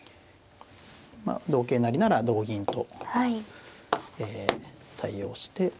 まあ同桂成なら同銀と対応して。